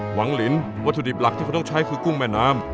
หวังลินวัตถุดิบหลักที่เขาต้องใช้คือกุ้งแม่น้ำ